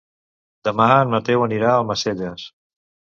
Demà en Mateu anirà a Almacelles.